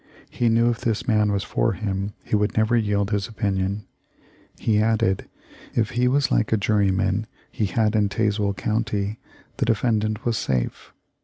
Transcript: He knew if this man was for him he would never yield his opin ion. He added, if he was like a juryman he had in Tazewell county, the defendant was safe.